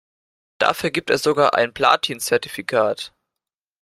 Dafür gibt es sogar ein Platin-Zertifikat.